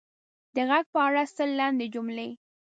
د ږغ په اړه سل لنډې جملې: